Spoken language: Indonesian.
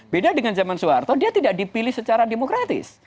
beda dengan zaman soeharto dia tidak dipilih secara demokratis